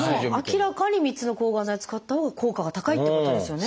明らかに３つの抗がん剤を使ったほうが効果が高いってことですよね。